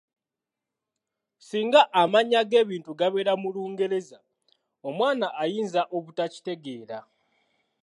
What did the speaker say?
"Singa amannya g'ebintu gabeera mu Lungereza, omwana ayinza obutakitegeera."